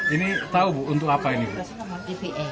ini tahu bu untuk apa ini